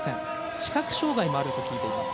視覚障がいもあると聞いています。